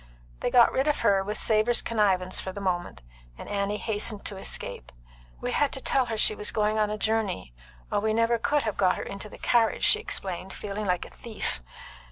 They got rid of her with Savor's connivance for the moment, and Annie hastened to escape. "We had to tell her she was going a journey, or we never could have got her into the carriage," she explained, feeling like a thief.